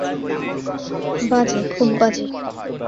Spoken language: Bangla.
বাজে, খুব বাজে।